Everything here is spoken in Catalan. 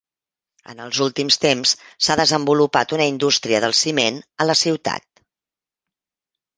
En els últims temps s'ha desenvolupat una indústria del ciment a la ciutat.